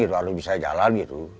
harus bisa jalan